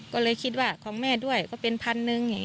ก็เลยคิดว่าของแม่ด้วยก็เป็น๑๐๐๐บาท